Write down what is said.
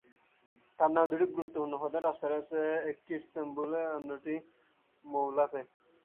তার নামে দুটি গুরুত্বপূর্ণ প্রধান রাস্তা রয়েছে: একটি ইস্তাম্বুলে এবং অন্যটি মুউলাতে।